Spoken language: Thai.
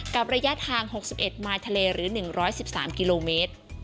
ระยะทาง๖๑มายทะเลหรือ๑๑๓กิโลเมตร